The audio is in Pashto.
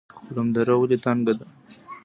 خلم دره ولې تنګه ده؟